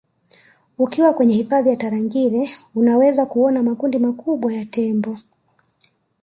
ukiwa kwenye hifadhi ya tarangire unaweza kuona makundi makubwa ya tembo